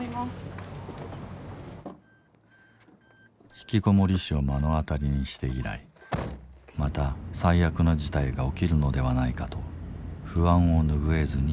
ひきこもり死を目の当たりにして以来また最悪の事態が起きるのではないかと不安を拭えずにいる。